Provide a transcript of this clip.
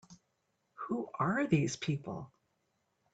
Who are these people?